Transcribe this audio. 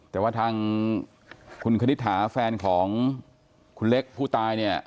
แต่ว่าทางคุณคณิตหาแฟนของคุณเล็กผู้ตายเนี่ย